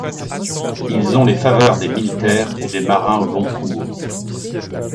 Ils ont les faveurs des militaires et des marins au long cours.